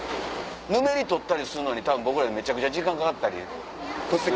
ぬめり取ったりするのにめちゃくちゃ時間かかったり。